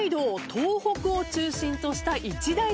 東北を中心とした一大勢力。